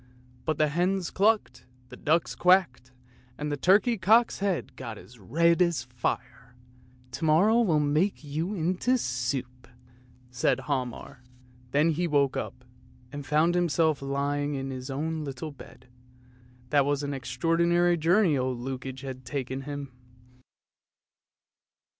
But the hens clucked, the ducks quacked, and the turkey cock's head got as red as fire. ' To morrow we'll make you into soup," said Hialmar, and z 354 ANDERSEN'S FAIRY TALES then he woke up and found himself lying in his own little bed. That was an extraordinary journey Ole Lukoie had taken him.